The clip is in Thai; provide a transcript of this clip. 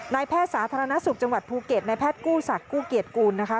แพทย์สาธารณสุขจังหวัดภูเก็ตในแพทย์กู้ศักดิ์กู้เกียรติกูลนะคะ